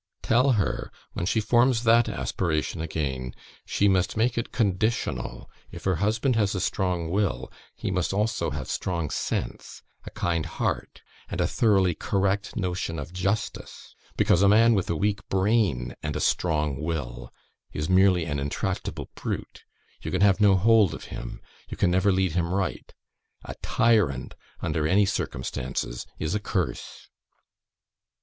Tell her, when she forms that aspiration again, she must make it conditional if her husband has a strong will, he must also have strong sense, a kind heart, and a thoroughly correct notion of justice; because a man with a WEAK BRAIN and a STRONG WILL, is merely an intractable brute; you can have no hold of him; you can never lead him right. A TYRANT under any circumstances is a curse."